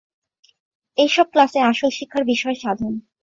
এইসব ক্লাসে আসল শিক্ষার বিষয় সাধন।